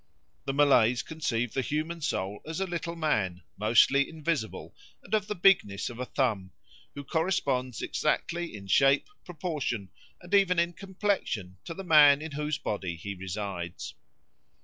The Malays conceive the human soul as a little man, mostly invisible and of the bigness of a thumb, who corresponds exactly in shape, proportion, and even in complexion to the man in whose body he resides.